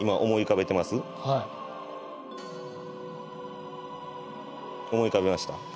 思い浮かべました？